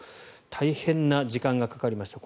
大変な時間がかかりました。